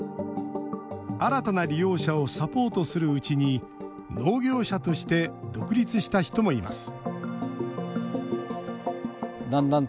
新たな利用者をサポートするうちに農業者として独立した人もいます